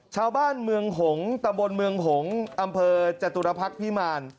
ชาวบ้านเมืองหงษ์ตะบนเมืองหงษ์อำเภอจตุรพักษ์พิมาร